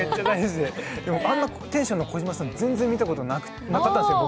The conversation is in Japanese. あんなテンションの児嶋さん見たことなかったんですよ。